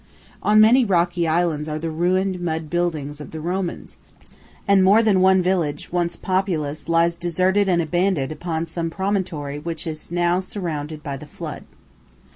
On many rocky islands are the ruined mud buildings of the Romans, and more than one village, once populous, lies deserted and abandoned upon some promontory which is now surrounded by the flood.